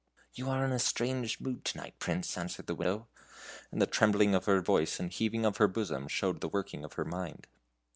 "You are in a strange mood to night, Prince," answered the Widow, and the trembling of her voice and heaving of her bosom showed the working of her mind.